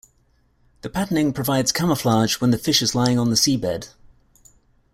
The patterning provides camouflage when the fish is lying on the seabed.